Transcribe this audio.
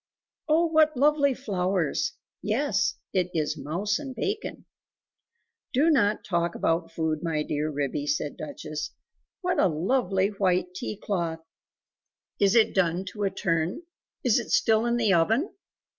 "Oh, what lovely flowers! Yes, it is mouse and bacon!" "Do not talk about food, my dear Ribby," said Duchess; "what a lovely white tea cloth!.... Is it done to a turn? Is it still in the oven?"